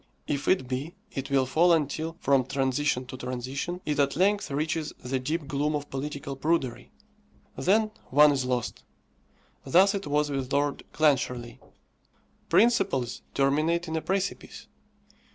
If it be, it will fall until, from transition to transition, it at length reaches the deep gloom of political prudery. Then one is lost. Thus it was with Lord Clancharlie. Principles terminate in a precipice.